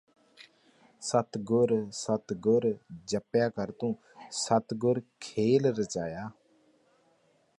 ਸਤਿਗੁਰ ਸਤਿਗੁਰ ਜੱਪਿਆ ਕਰ ਤੂੰ ਸਤਿਗੁਰ ਖੇਲ ਰਚਾਇਆ